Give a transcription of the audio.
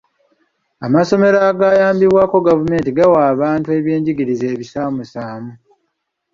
Amasomero agayambibwako gavumenti gawa abantu ebyenjigiriza ebisaamusaamu.